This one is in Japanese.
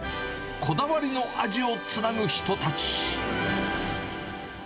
こだわりの味をつなぐ人たち。